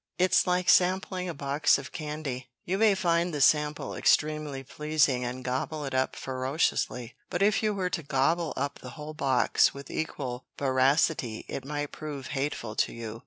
It's like sampling a box of candy you may find the sample extremely pleasing and gobble it up ferociously, but if you were to gobble up the whole box with equal voracity it might prove hateful to you.